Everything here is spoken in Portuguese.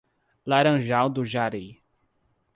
Laranjal do Jari